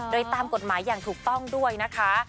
โดยตามกฎหมายอย่างถูกต้องด้วยนะคะ